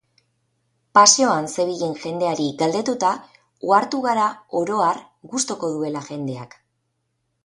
Paseoan zebilen jendeari galdetuta, ohartu gara orohar gustuku duela jendeak.